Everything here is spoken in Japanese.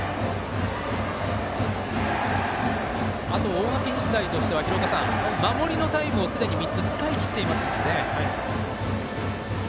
大垣日大としては守りのタイムをすでに３つ使い切っていますよね。